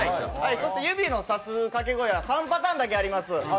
そして指のさすかけ声は３パターンだけあります。